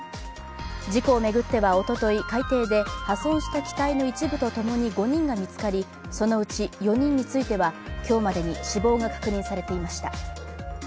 事故を巡ってはおととい、海底で破損した機体の一部とともに５人が見つかりそのうち４人については今日までに死亡が確認されていました。